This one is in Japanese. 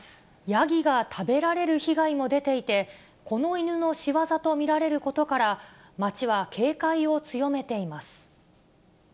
ヤギが食べられる被害も出ていて、この犬の仕業と見られることから、町は警戒を強めています。